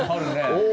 お。